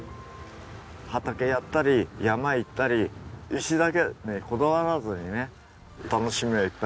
畑やったり山行ったり石だけにこだわらずにね楽しみをいっぱい持って。